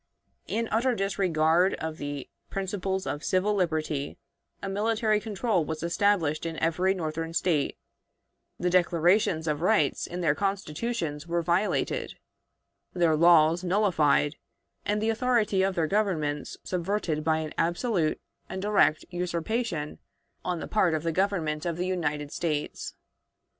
In utter disregard of the principles of civil liberty, a military control was established in every Northern State, the declarations of rights in their Constitutions were violated, their laws nullified, and the authority of their governments subverted by an absolute and direct usurpation on the part of the Government of the United States.